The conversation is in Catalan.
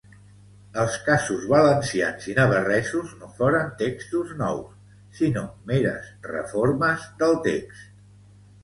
Els casos valencians i navarresos no foren textos nous, sinó meres reformes del text.